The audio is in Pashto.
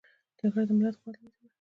جګړه د ملت قوت له منځه وړي